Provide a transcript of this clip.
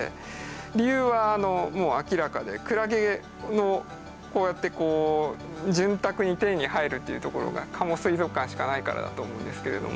理由はもう明らかでクラゲのこうやってこう潤沢に手に入るっていうところが加茂水族館しかないからだと思うんですけれども。